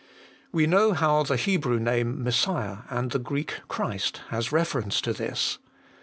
We know how the Hebrew name Messiah, and the Greek Christ, has reference to this.